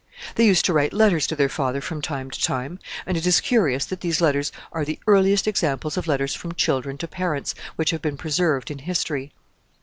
They used to write letters to their father from time to time, and it is curious that these letters are the earliest examples of letters from children to parents which have been preserved in history.